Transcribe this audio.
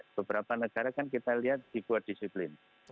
beberapa negara kan kita lihat dibuat disiplin